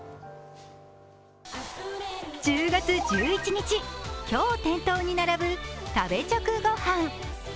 １０月１１日、今日店頭に並ぶ「＃食べチョクごはん」